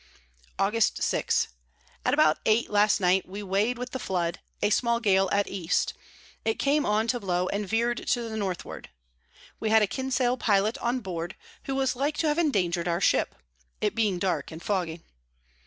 Aug. 6. About eight last night we weigh'd with the Flood, a small Gale at East; it came on to blow, and veer'd to the Northward. We had a Kinsale Pilot on board, who was like to have endanger'd our Ship, it being dark and foggy.